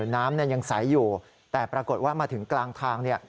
น้ำยังใสอยู่แต่ปรากฏว่ามาถึงกลางทางเนี่ย